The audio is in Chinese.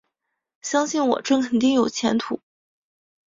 相信我，这肯定有前途